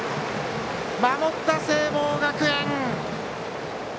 守った聖望学園。